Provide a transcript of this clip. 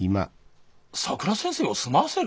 さくら先生を住まわせる？